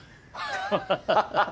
ハハハハ！